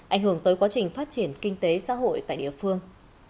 ảnh hưởng tới quá trình phát triển kinh tế xã hội tại địa phương